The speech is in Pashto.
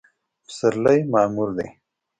پسرلی معمور دی